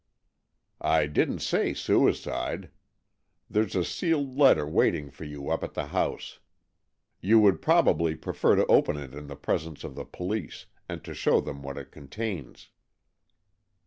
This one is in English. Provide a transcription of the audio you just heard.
" I didn't say suicide. There's a sealed letter waiting for you up at the house. You would probably prefer to open it in the presence of the police, and to show them what it contains."